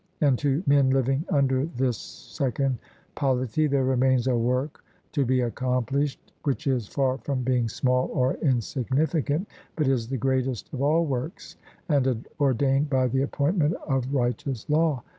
And to men living under this second polity there remains a work to be accomplished which is far from being small or insignificant, but is the greatest of all works, and ordained by the appointment of righteous law.